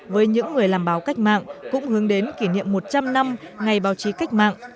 với những người làm báo cách mạng cũng hướng đến kỷ niệm một trăm linh năm ngày báo chí cách mạng